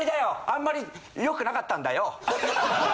あんまりよくなかったんだよ！